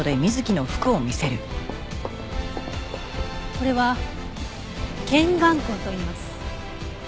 これは拳眼痕といいます。